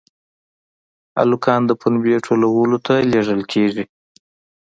هلکان د پنبې ټولولو ته لېږل کېږي.